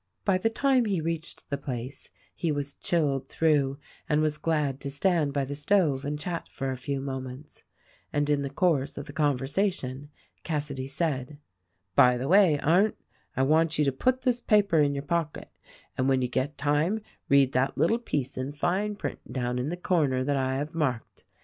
By the time he reached the place he was chilled through and was glad to stand by the stove and chat for a few moments, and in the course of the conversation Cassady said, "By the way Arndt, I want you to put this paper in your pocket, and when you get time read that little piece in fine print down in the corner that I have marked.